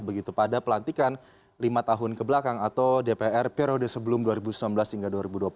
begitu pada pelantikan lima tahun kebelakang atau dpr periode sebelum dua ribu sembilan belas hingga dua ribu dua puluh empat